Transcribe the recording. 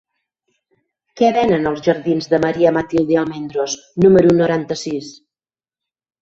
Què venen als jardins de Maria Matilde Almendros número noranta-sis?